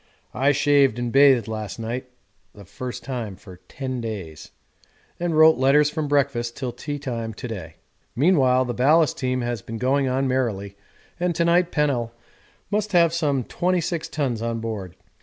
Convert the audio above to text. I shaved and bathed last night (the first time for 10 days) and wrote letters from breakfast till tea time to day. Meanwhile the ballast team has been going on merrily, and to night Pennell must have some 26 tons on board.